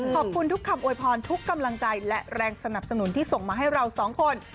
ขอบคุณทุกคำโวยพรทุกกำลังใจและแรงสนับสนุนที่ส่งมาให้เราสองคน